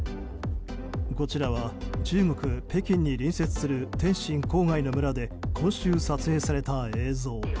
こちらは中国・北京に隣接する天津郊外の村で今週、撮影された映像。